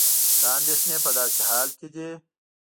دا اندېښنې په داسې حال کې دي